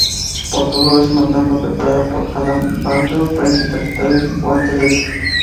Pero todo es una trampa preparada por Adam Warlock para intentar quitarle el guantelete.